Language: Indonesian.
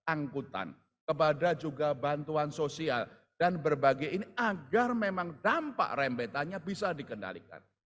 angkutan kepada juga bantuan sosial dan berbagai ini agar memang dampak rembetannya bisa dikendalikan